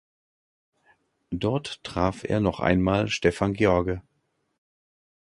Dort traf er noch einmal Stefan George.